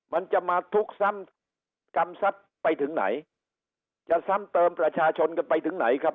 มันจะมาทุกข์ซ้ำกรรมซัดไปถึงไหนจะซ้ำเติมประชาชนกันไปถึงไหนครับ